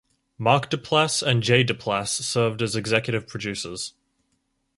Mark Duplass and Jay Duplass served as executive producers.